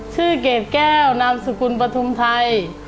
ชื่อเกดแก้วนามสุกุลปฐุมไทย